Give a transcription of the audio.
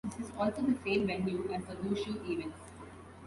This is also the same venue as the wushu events.